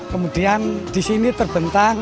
kemudian di sini terbentang